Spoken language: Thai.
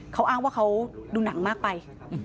เขาอ้างว่าเขาดูหนังมากไป